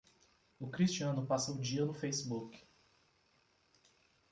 O Cristiano passa o dia no Facebook